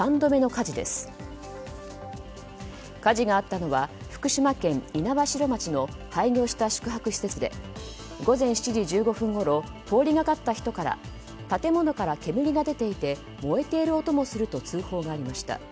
火事があったのは福島県猪苗代町の廃業した宿泊施設で午前７時１５分ごろ通りがかった人から建物から煙が出ていて燃えている音もすると通報がありました。